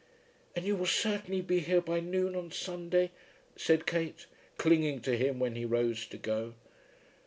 "And you will certainly be here by noon on Sunday?" said Kate, clinging to him when he rose to go.